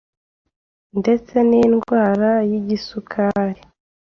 ndetse n’indwara y’igisukari